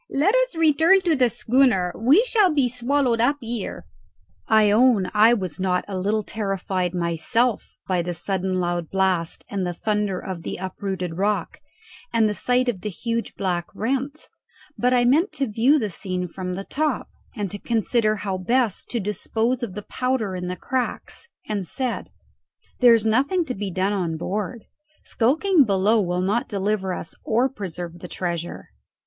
"Let us return to the schooner. We shall be swallowed up here." I own I was not a little terrified myself by the sudden loud blast and the thunder of the uprooted rock, and the sight of the huge black rent; but I meant to view the scene from the top, and to consider how best to dispose of the powder in the cracks, and said, "There is nothing to be done on board; skulking below will not deliver us or preserve the treasure.